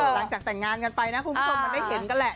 หลังจากแต่งงานกันไปนะคุณผู้ชมมันได้เห็นกันแหละ